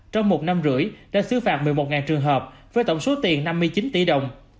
trong một năm rưỡi đã xứ phạt một mươi một trường hợp với tổng số tiền năm mươi chín tỷ đồng